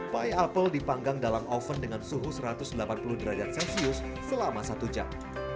pie apple dipanggang dalam oven dengan suhu satu ratus delapan puluh derajat celcius selama satu jam